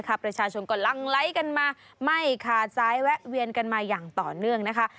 ประชาชนก็ลังไลค์กันมาไม่ขาดซ้ายแวะเวียนกันมาอย่างต่อเนื่องนะคะ